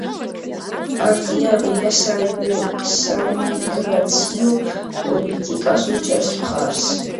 პარტია ღია საიმიგრაციო პოლიტიკას უჭერს მხარს.